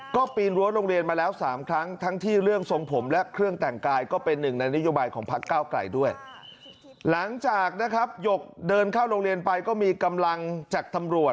ก็ปีนรั้วโรงเรียนมาแล้วสามครั้งทั้งที่เรื่องทรงผมและเครื่องแต่งกายก็เป็นหนึ่งในนิยมใบของพระเก้าไก่ด้วย